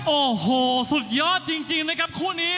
โอ้โหสุดยอดจริงนะครับคู่นี้